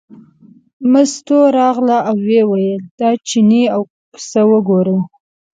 مستو راغله او ویې ویل دا چینی او پسه ګورې.